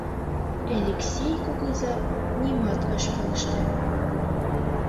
Элексей кугыза нимат ыш пелеште.